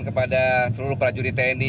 kepada seluruh prajurit tni